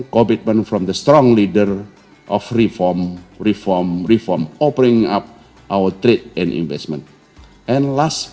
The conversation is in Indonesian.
kjri telah mengawasi perkembangan kepentingan investasi indonesia